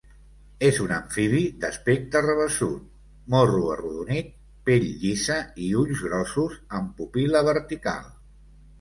És un amfibi d'aspecte rabassut, morro arrodonit, pell llisa i ulls grossos, amb pupil·la vertical.